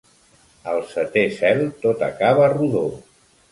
Al setè cel tot acaba rodó.